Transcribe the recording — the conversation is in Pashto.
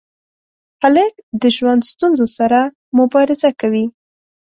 هلک د ژوند ستونزو سره مبارزه کوي.